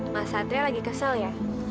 mas satria lagi kesel ya